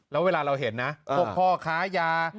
แล้วเวลาเราเห็นนะพวกพ่อค้ายา